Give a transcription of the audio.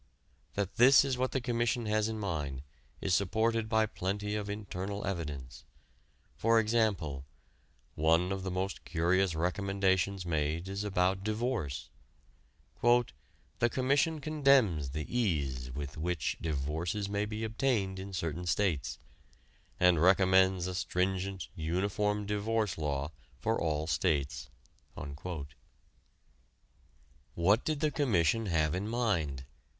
That this is what the Commission had in mind is supported by plenty of "internal evidence." For example: one of the most curious recommendations made is about divorce "The Commission condemns the ease with which divorces may be obtained in certain States, and recommends a stringent, uniform divorce law for all States." What did the Commission have in mind?